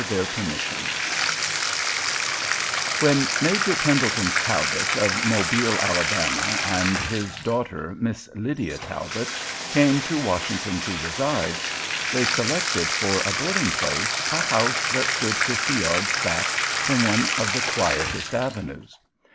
Henry (1862–1910) When Major Pendleton Talbot, of Mobile, sir, and his daughter, Miss Lydia Talbot, came to Washington to reside, they selected for a boarding place a house that stood fifty yards back from one of the quietest avenues.